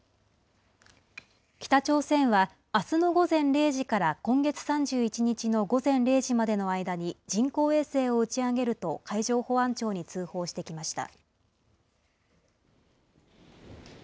北朝鮮はあすの午前０時から今月３１日の午前０時までの間に、人工衛星を打ち上げると海上保安庁に通報してきました。